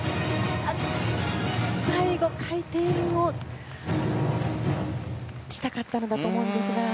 最後、回転をしたかったのだと思うんですが。